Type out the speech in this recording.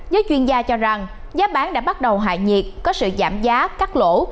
giới chuyên gia cho rằng giá bán đã bắt đầu hạ nhiệt có sự giảm giá cắt lỗ